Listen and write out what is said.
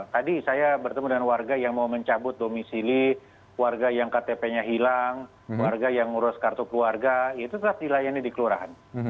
tadi saya bertemu dengan warga yang mau mencabut domisili warga yang ktp nya hilang warga yang ngurus kartu keluarga itu telah dilayani di kelurahan